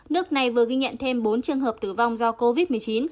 nước này vừa ghi nhận thêm bốn trường hợp tử vong do covid một mươi chín